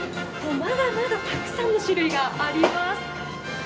まだまだたくさんの種類があります。